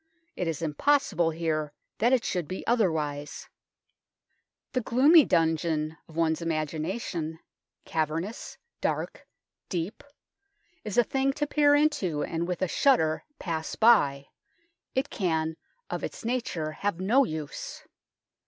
It is im possible here that it should be otherwise. 44 THE TOWER OF LONDON The " gloomy dungeon " of one's imagina tion, cavernous, dark, deep, is a thing to peer into and with a shudder pass by it can of its nature have no use.